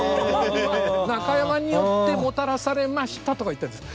「中山によってもたらされました」とか言ってるんです。